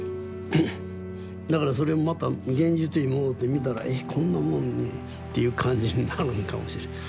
だからそれもまた現実に戻って見たらえっこんなもんに？っていう感じになるんかもしれん。